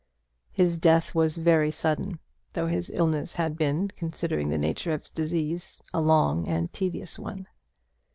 His death was very sudden, though his illness had been, considering the nature of his disease, a long and tedious one.